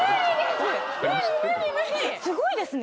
すごいですね。